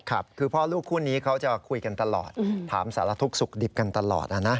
ครับคือพ่อลูกคู่นี้เขาจะคุยกันตลอดถามสารทุกข์สุขดิบกันตลอดนะ